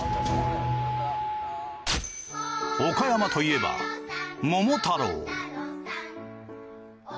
岡山といえば桃太郎。